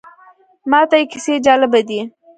ماته یې کیسې جالبه دي.